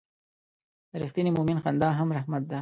د رښتیني مؤمن خندا هم رحمت ده.